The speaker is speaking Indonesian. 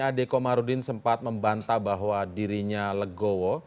ade komarudin sempat membantah bahwa dirinya legowo